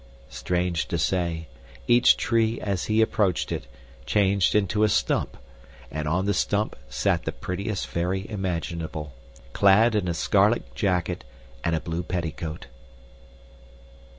Strange to say, each tree, as he approached it, changed into a stump, and on the stump sat the prettiest fairy imaginable, clad in a scarlet jacket and a blue petticoat.